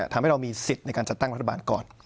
ทำให้เรามีสิทธิ์ในการจัดตั้งรัฐบาลก่อน